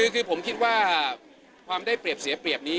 คือผมคิดว่าความได้เปรียบเสียเปรียบนี้